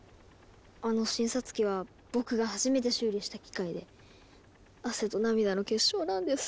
あの診察機は僕が初めて修理した機械で汗と涙の結晶なんです。